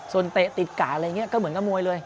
ส่วนติ๊กกหลายอย่างนี้ก็เหมือนกับมวยเลย